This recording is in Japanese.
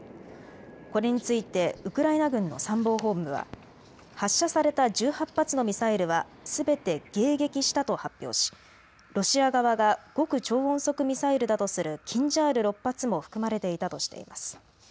これについてウクライナ軍の参謀本部は発射された１８発のミサイルはすべて迎撃したと発表しロシア側が極超音速ミサイルだとするキンジャール６発も含まれていたとしています。